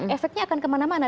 efeknya akan kemana mana